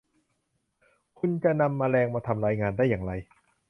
คุณจะนำแมลงมาทำรายงานได้อย่างไร